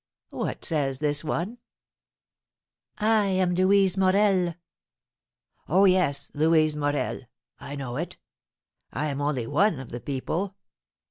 What says this one? I am Louise Morel! Oh, yes Louise Morel; I know it! I am only one of the people!